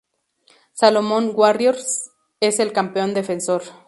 Solomon Warriors es el campeón defensor.